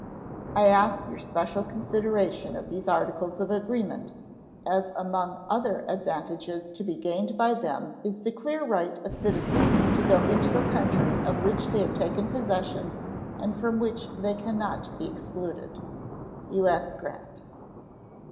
I ask your special consideration of these articles of agreement, as among other advantages to be gained by them is the clear right of citizens to go into a country of which they have taken possession and from which they can not be excluded. U.S. GRANT.